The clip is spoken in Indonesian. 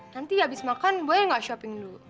nanti habis makan boleh gak shopping dulu